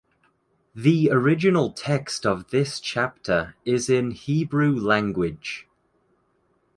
The original text of this chapter is in Hebrew language.